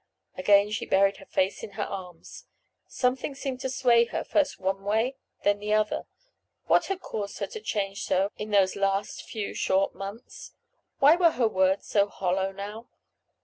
Again she buried her face in her arms. Something seemed to sway her, first one way, then the other. What had caused her to change so in those last few short months? Why were her words so hollow now?